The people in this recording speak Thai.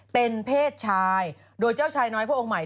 เป็นเพศชายโดยเจ้าชายน้อยพระองค์ใหม่